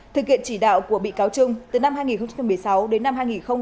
thực hiện chỉ đạo của bị cáo trung từ năm hai nghìn một mươi sáu đến năm hai nghìn một mươi chín